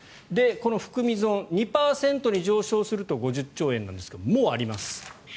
この含み損、２％に上昇すると５０兆円なんですがもうあります。